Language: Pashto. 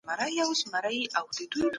راپور وايي چاغښت او سګرېټ د سرطان سبب کېږي.